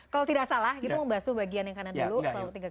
kalau tidak salah kita mau bahas bagian yang kanan dulu